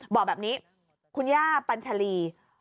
บอกแบบนี้คุณย่าปัญชาลี